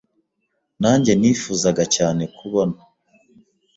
Nanjye Nifuzaga cyane kubona